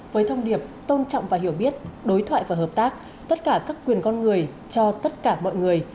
với thông điệp tôn trọng và hiểu biết đối thoại và hợp tác tất cả các quyền con người cho tất cả mọi người